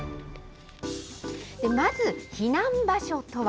まず避難場所とは。